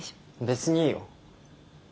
別にいいよ